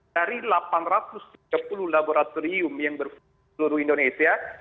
dari delapan ratus tiga puluh laboratorium yang berfungsi seluruh indonesia